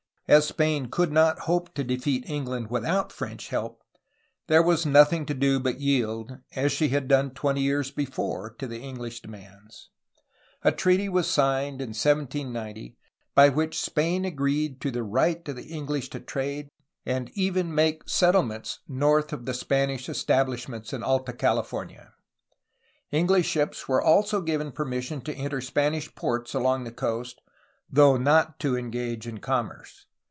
As Spain could not hope to defeat England without French help, there was nothing to do but yield, as she had done twenty years before, to the English demands A treaty was s gned in 1790 by which Spain agreed to the right of the Enghsh to trade and even make settlements north of the Spanish establishments in Alta Cahfornia. English ships were also given permission to enter Spanish ports along that coast, though not to engage in commerce.